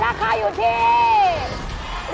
ราคาอยู่ที่